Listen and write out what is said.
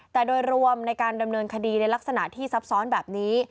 แต่โดยรวมในการดำเนินคดีในลักษณะที่ซับซ้อนแบบนี้